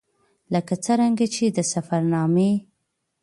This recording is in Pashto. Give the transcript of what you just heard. ـ لکه څرنګه چې د سفر نامې